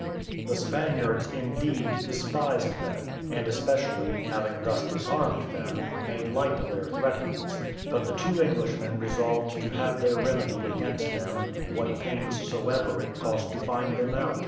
The Spaniards, indeed, despised them, and especially, having thus disarmed them, made light of their threatenings; but the two Englishmen resolved to have their remedy against them, what pains soever it cost to find them out.